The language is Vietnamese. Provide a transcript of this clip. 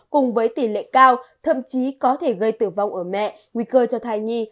cùng với tỷ lệ cao thậm chí có thể gây tử vong ở mẹ nguy cơ cho thai nhi